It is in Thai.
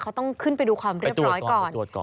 เขาต้องขึ้นไปดูความเรียบร้อยก่อน